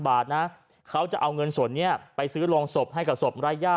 บาทนะเขาจะเอาเงินส่วนนี้ไปซื้อโรงศพให้กับศพรายย่า